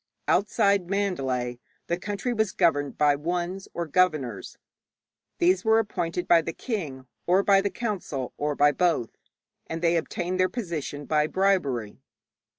Outside Mandalay the country was governed by wuns or governors. These were appointed by the king, or by the council, or by both, and they obtained their position by bribery.